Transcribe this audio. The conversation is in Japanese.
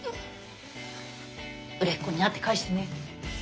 売れっ子になって返してね。